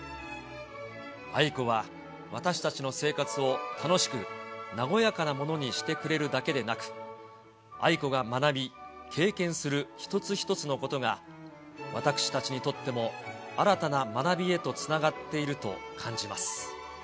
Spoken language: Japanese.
愛子は私たちの生活を楽しく和やかなものにしてくれるだけでなく、愛子が学び、経験する一つ一つのことが、私たちにとっても新たな学びへとつながっていると感じます。